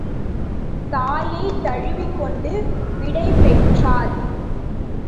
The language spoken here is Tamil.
தாயைத் தழுவிக் கொண்டு விடை பெற்றாள்.